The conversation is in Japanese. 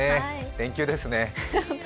連休ですね。